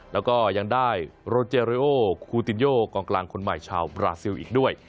แล้วก็ยังได้โรเจริโอคูตินโยกองกลางคนใหม่ชาวบราซิลอีกด้วย